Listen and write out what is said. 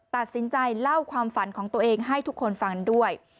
ตัดสินใจเล่าความฝันของตัวเองให้ทุกคนฟังด้วย